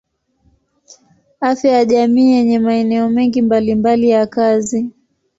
Afya ya jamii yenye maeneo mengi mbalimbali ya kazi.